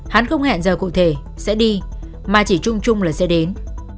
hắn không hẹn giờ cụ thể sẽ đi mà chỉ chung chung là sẽ đến